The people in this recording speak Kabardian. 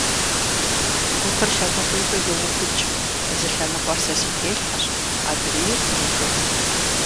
Гупыр лъэныкъуитӀу йоувыкӀ, зы лъэныкъуэр сэ си телъхьэщ, адрейр — мобы.